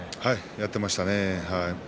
やっていましたね。